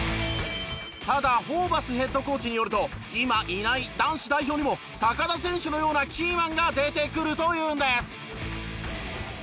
ただホーバスヘッドコーチによると今いない男子代表にも田選手のようなキーマンが出てくるというんです！